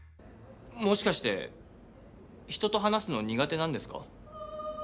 もしかして人と話すの苦手なんですか？